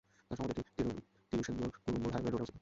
তার সমাধিটি তিরুশেন্দুর-কুড়ুম্বুর হাইওয়ে রোডে অবস্থিত।